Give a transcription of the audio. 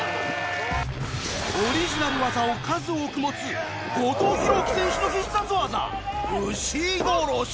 オリジナル技を数多く持つ後藤洋央紀選手の必殺技牛殺し